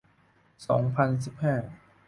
สองพันสิบห้า